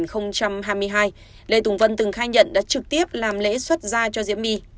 hôm hai ba một mươi một hai nghìn hai mươi hai lê tùng vân từng khai nhận đã trực tiếp làm lễ xuất ra cho diễm my